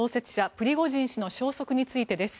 プリゴジン氏の消息についてです。